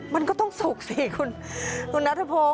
มันก็ต้องสุกสิคุณนัทพงศ